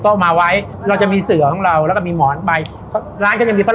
ที่ให้แขกกินอะพอถึงเวลาเลิก